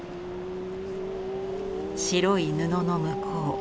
白い布の向こう